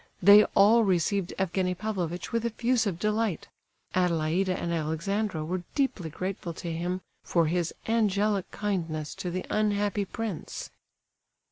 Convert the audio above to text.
They all received Evgenie Pavlovitch with effusive delight; Adelaida and Alexandra were deeply grateful to him for his "angelic kindness to the unhappy prince."